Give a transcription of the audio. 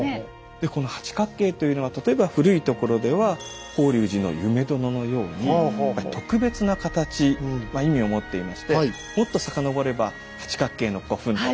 でこの八角形というのは例えば古いところでは法隆寺の夢殿のように特別な形意味を持っていましてもっと遡れば八角形の古墳とか。